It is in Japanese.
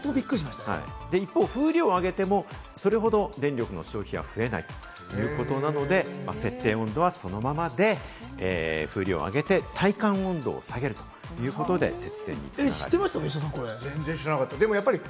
一方、風量を上げても、それほど電力の消費は増えないということなので、設定温度はそのままで、風量を上げて体感温度を下げるということで節電に繋がる。